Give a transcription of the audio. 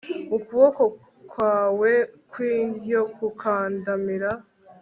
ukuboko kwawe kw'indyo kukandamira